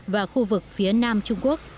và khu vực phía nam trung quốc